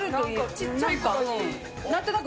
ちっちゃいとき。